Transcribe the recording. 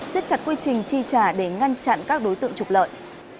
xếp chặt quy trình chi trả để ngăn chặn các đối tượng trục lợi